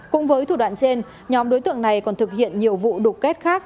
cũng với thủ đoạn trên nhóm đối tượng này còn thực hiện nhiều vụ đục kết khác